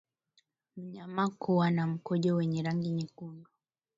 Mnyama kuwa na mkojo wenye rangi nyekundu